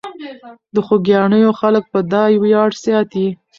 د خوګیاڼیو خلک به دا ویاړ ساتي.